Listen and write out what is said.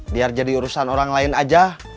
biar jadi urusan orang lain aja